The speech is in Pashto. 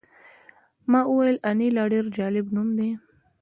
ما وویل انیلا ډېر جالب نوم دی